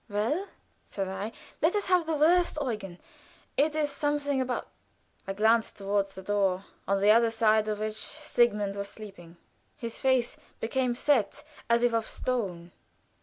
"Well," said I, "let us have the worst, Eugen. It is something about " I glanced toward the door, on the other side of which Sigmund was sleeping. His face became set, as if of stone.